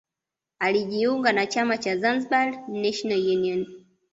Alijiunga na chama cha Zanzibar National Union